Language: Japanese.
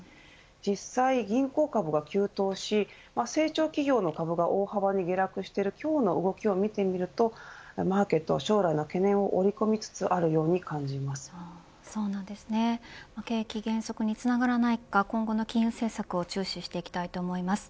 実際、銀行株が急騰し成長企業の株が大幅に下落している今日の動きを見てみるとマーケットの将来の懸念を折り込みつつあるように景気減速につながらないか今後の金融政策を注視していきたいと思います。